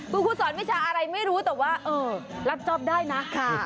คุณครูสอนวิชาอะไรไม่รู้แต่ว่าเออรับจอบได้นะ